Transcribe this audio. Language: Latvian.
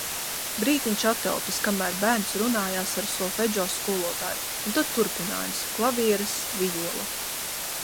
Brītiņš atelpas, kamēr bērns runājās ar solfedžo skolotāju, un tad turpinājums - klavieres, vijole...